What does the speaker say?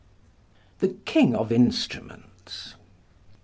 The King of Instruments.